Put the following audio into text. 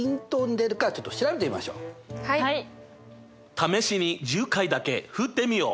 試しに１０回だけ振ってみよう。